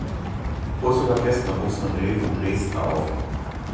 Ursula Kästner wuchs in der Nähe von Dresden auf.